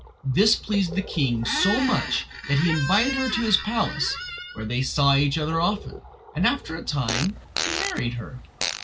This pleased the king so much that he invited her to his palace, where they saw each other often; and after a time he married her.